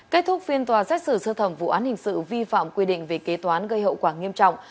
kết thúc phiên tòa xét xử sơ thẩm vụ án hình sự vi phạm quy định về kế toán gây hậu quả nghiêm trọng